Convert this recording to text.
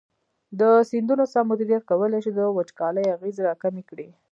د سیندونو سم مدیریت کولی شي د وچکالۍ اغېزې راکمې کړي.